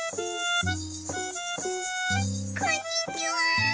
こんにちは！